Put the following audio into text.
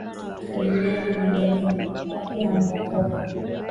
Kabiliana na idadi ya mbwa koko